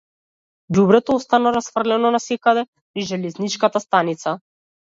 Ѓубрето остана расфрлано насекаде низ железничката станица.